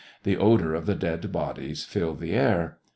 The odor of the dead bodies filled the air.